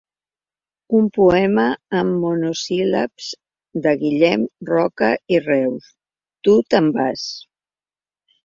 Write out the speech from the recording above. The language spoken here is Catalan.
«Un poema en monosíl·labs de Guillem Roca i Reus: Tu te'n vas.